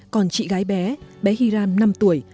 còn chị gái bé bé hiram năm tuổi